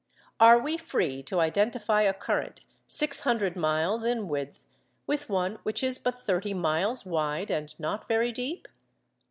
Are we free to identify a current six hundred miles in width with one which is but thirty miles wide, and not very deep?